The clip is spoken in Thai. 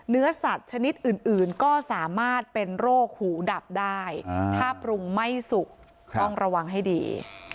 เนื้อสัตว์ชนิดอื่นก็สามารถเป็นโรคหูดับได้ถ้าปรุงไม่สุกต้องระวังให้ดี